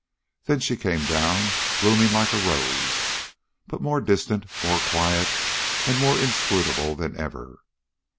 Then she came down, blooming like a rose, but more distant, more quiet, and more inscrutable than ever.